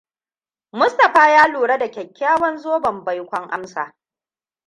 Mustapha ya lura da kyakkyawan zoben baikon Amsa.